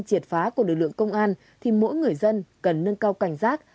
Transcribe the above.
triệt phá của lực lượng công an thì mỗi người dân cần nâng cao cảnh giác